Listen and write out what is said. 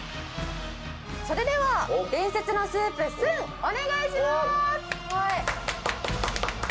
それでは伝説のスープお願いします！